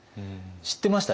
知ってました？